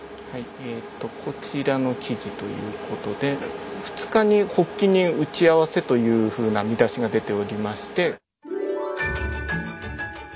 ええとこちらの記事ということで「二日に発起人打合せ」というふうな見出しが出ておりまして。